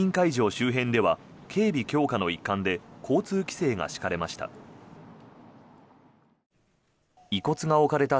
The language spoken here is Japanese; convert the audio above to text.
周辺では警備強化の一環で交通規制が敷かれました。